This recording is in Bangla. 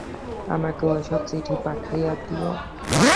আমাকে ঐ সব চিঠি পাঠাইয়া দিও।